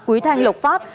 quý thanh lộc phát